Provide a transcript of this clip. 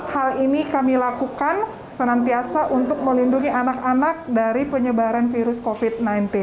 hal ini kami lakukan senantiasa untuk melindungi anak anak dari penyebaran virus covid sembilan belas